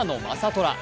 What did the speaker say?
虎。